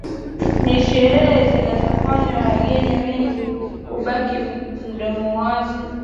Ni sherehe zinazowafanya wageni wengi kubaki midomo wazi